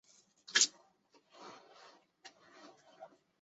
他在咸丰十年二月接替父亲成为恒亲王第十二代。